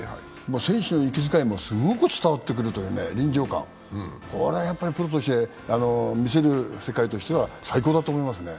選手の息使いもすごい伝わってくるという臨場感、これはやっぱりプロとして見せる世界としては最高だと思いますね。